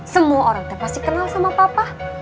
semua orang itu pasti kenal sama papa